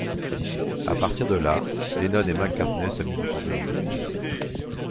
À partir de là, Lennon et McCartney s'amusent autour de l'idée.